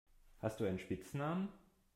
Hast du einen Spitznamen?